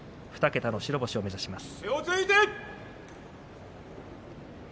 ２桁の白星を目指します。